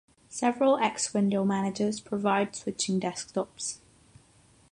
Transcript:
Several X window managers provide switching desktops.